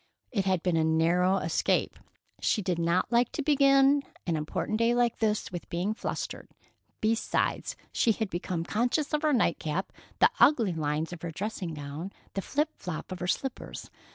It had been a narrow escape. She did not like to begin an important day like this with being flustered. Besides, she had become conscious of her night cap, the ugly lines of her dressing gown, the flop flop of her slippers.